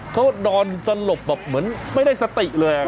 เขานอนสลบแบบเหมือนไม่ได้สติเลย